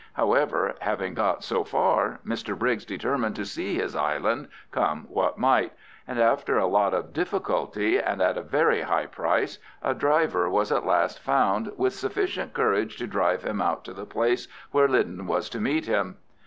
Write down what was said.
However, having got so far, Mr Briggs determined to see his island, come what might; and after a lot of difficulty, and at a very high price, a driver was at last found with sufficient courage to drive him out to the place where Lyden was to meet him.